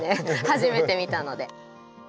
初めて見たので。